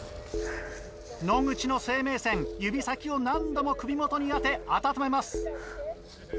野口の生命線指先を何度も首元に当て温めます。